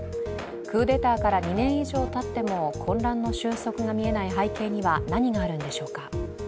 クーデターから２年以上たっても混乱の収束が見えない背景には何があるのでしょうか。